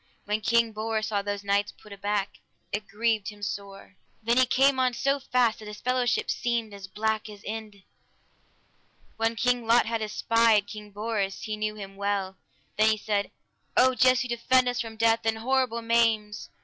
When King Bors saw those knights put aback, it grieved him sore; then he came on so fast that his fellowship seemed as black as Inde. When King Lot had espied King Bors, he knew him well, then he said, O Jesu, defend us from death and horrible maims!